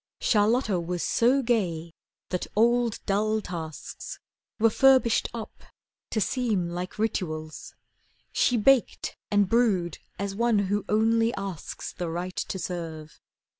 Charlotta was so gay that old, dull tasks Were furbished up to seem like rituals. She baked and brewed as one who only asks The right to serve.